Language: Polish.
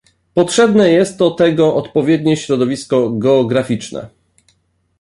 Potrzebne jest to tego odpowiednie środowisko geograficzne